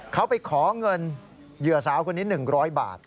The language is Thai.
เขาไปขอเงินเหยื่อสาวคนนี้๑๐๐บาท